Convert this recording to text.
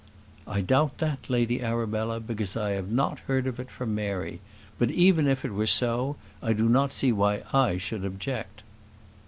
"I doubt that, Lady Arabella, because I have not heard of it from Mary. But even if it were so, I do not see why I should object."